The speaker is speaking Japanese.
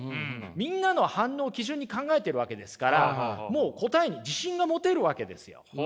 みんなの反応を基準に考えてるわけですからもう答えに自信が持てるわけですよ。